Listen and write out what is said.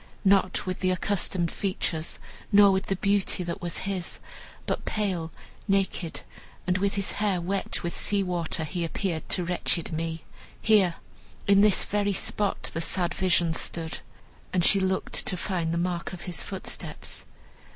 Not with the accustomed features, not with the beauty that was his, but pale, naked, and with his hair wet with sea water, he appeared to wretched me. Here, in this very spot, the sad vision stood," and she looked to find the mark of his footsteps.